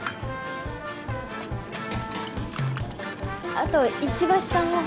あと石橋さんを。